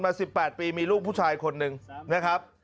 ๑๘ปีมีลูกผู้ชายคนหนึ่งนะครับ